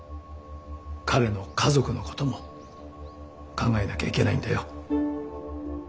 彼の家族のことも考えなきゃいけないんだよ。